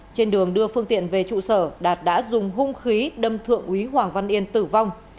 trên đường đưa phương tiện về trụ sở đạt đã dùng hung khí đâm thượng úy hoàng văn yên tử vong